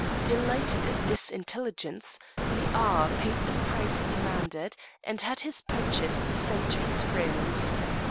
Delighted at this intelligence, the Aga paid the price demanded, and had his purchase sent to his rooms.